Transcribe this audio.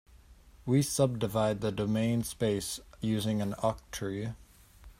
We subdivide the domain space using an octree.